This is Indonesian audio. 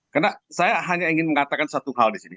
karena saya hanya ingin mengatakan satu hal disini